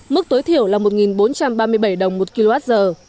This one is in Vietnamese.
mức tối thiểu là một bốn trăm ba mươi bảy đồng một kwh